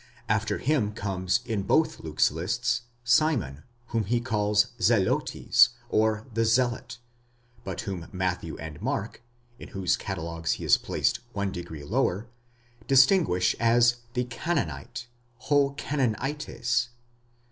After him comes in both Luke's lists, Simon, whom he calls Zelotes, or the zealot, but whom Matthew and Mark (in whose catalogues he is placed one degree lower) distinguish as the Cannanite 6 κανανίτης (from 2, 20 de zealous).